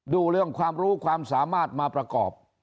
ดูเรื่องความรู้ความสามารถมาประกอบ